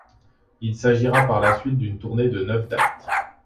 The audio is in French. Il s'agira par la suite d'une tournée de neuf dates.